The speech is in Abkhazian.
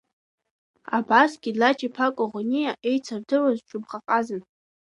Абас Гьедлач-иԥа Коӷониа, еицырдыруаз ҽыбӷа ҟазан.